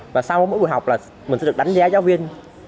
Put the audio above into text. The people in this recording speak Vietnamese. và sau mỗi buổi học là mình sẽ được đánh giá giáo viên